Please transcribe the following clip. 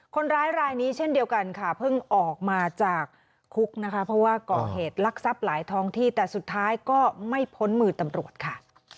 คนร้ายรายนี้เช่นเดียวกันค่ะเพิ่งออกมาจากคุกนะคะเพราะว่าก่อเหตุลักษัพหลายท้องที่แต่สุดท้ายก็ไม่พ้นมือตำรวจค่ะ